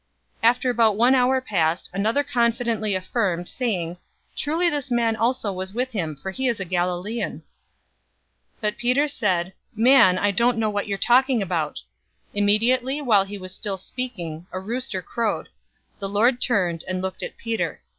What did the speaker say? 022:059 After about one hour passed, another confidently affirmed, saying, "Truly this man also was with him, for he is a Galilean!" 022:060 But Peter said, "Man, I don't know what you are talking about!" Immediately, while he was still speaking, a rooster crowed. 022:061 The Lord turned, and looked at Peter.